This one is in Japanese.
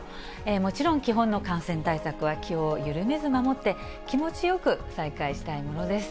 もちろん、基本の感染対策は、気を緩めず守って、気持ちよく再会したいものです。